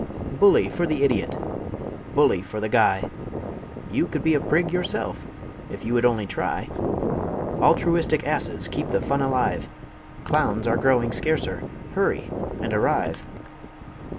Bully for the idiot! Bully for the guy! You could be a prig yourself, if you would only try! Altruistic asses keep the fun alive; Clowns are growing scarcer; hurry and arrive!